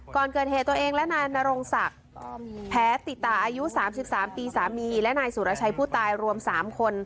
ก่อนเกิดเหตุตัวเองและนายนรงศักดิ์แพ้ติตาอายุ๓๓ปีสามีและนายสุรชัยผู้ตายรวม๓คน